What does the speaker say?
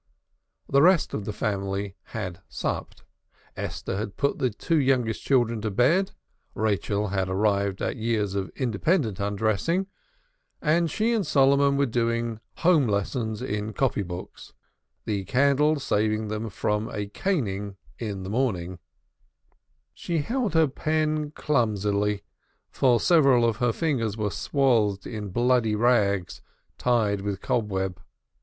The rest of the family had supped. Esther had put the two youngest children to bed (Rachel had arrived at years of independent undressing), and she and Solomon were doing home lessons in copy books, the candle saving them from a caning on the morrow. She held her pen clumsily, for several of her fingers were swathed in bloody rags tied with cobweb.